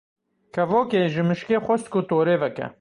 Kevokê, ji mişkê xwest ku torê veke.